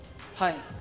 はい。